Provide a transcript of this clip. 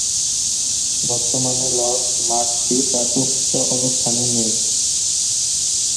বর্তমানের লর্ডস মাঠটি তার প্রকৃত অবস্থানে নেই।